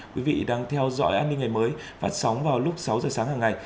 quý vị đang theo dõi an ninh ngày mới phát sóng vào lúc sáu giờ sáng hàng ngày